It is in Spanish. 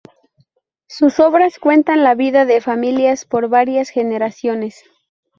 Sus obras cuentan la vida de familias por varias generaciones.